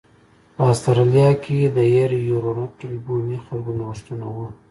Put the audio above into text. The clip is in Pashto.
په اسټرالیا کې د یر یورونټ بومي خلکو نوښتونه و